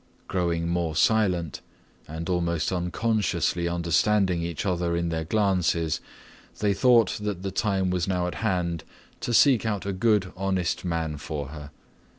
Growing more silent and almost unconsciously understanding each other in their glances, they thought that the time was now at hand to seek out a good honest man for her.